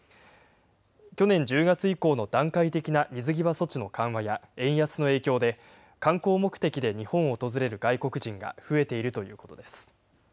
去年１０月以降の段階的な水際措置の緩和や円安の影響で、観光目的で日本を訪れる外国人が増えているということです。